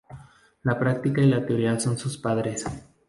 La práctica y la teoría son sus padres.